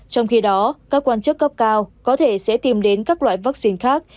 trong khi đó các quan chức cấp cao có thể sẽ tìm đến các loại vaccine khác